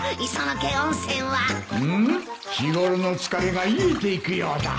うむ日頃の疲れが癒えていくようだ。